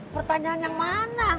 pertanyaan yang mana